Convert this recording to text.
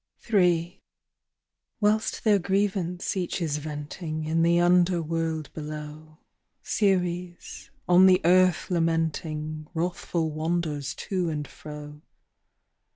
III. Whilst their grievance each is venting In the underworld below, Ceres, on the earth lamenting, Wrathful wanders to and fro.